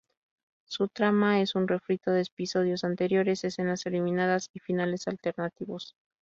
Su trama es un refrito de episodios anteriores, escenas eliminadas y finales alternativos.